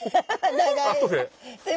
長い。